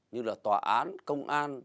như là tòa án công an